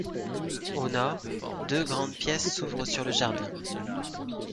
Au nord, deux grandes pièces s'ouvrent sur le jardin.